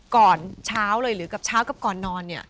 ก่อนเช้าเลยหรือกับเช้ากับก่อนนอนเนี่ย